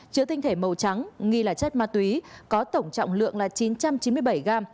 chứa tinh thể màu trắng nghi là chất ma túy có tổng trọng lượng là chín trăm chín mươi bảy g